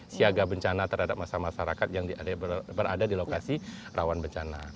siaga bencana terhadap masyarakat yang berada di lokasi rawan bencana